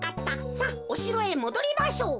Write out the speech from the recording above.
さあおしろへもどりましょう。